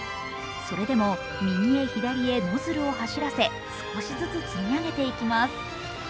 それでも右へ左へノズルを走らせ、少しずつ積み上げていきます。